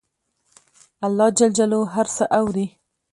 الله ج هر څه اوري